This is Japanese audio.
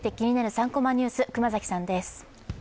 ３コマニュース」、熊崎さんです。